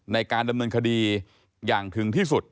ในการดำเนินคดีอย่างถึงที่สุด